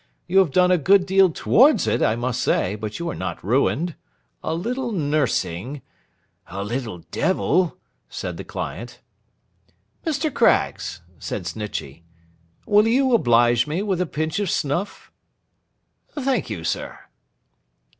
You have done a good deal towards it, I must say, but you are not ruined. A little nursing—' 'A little Devil,' said the client. 'Mr. Craggs,' said Snitchey, 'will you oblige me with a pinch of snuff? Thank you, sir.